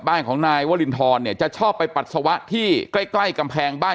บ้านของนายวรินทรเนี่ยจะชอบไปปัสสาวะที่ใกล้ใกล้กำแพงบ้าน